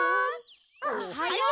おっはよう！